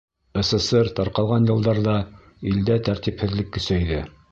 СССР тарҡалған йылдарҙа илдә тәртипһеҙлек көсәйҙе.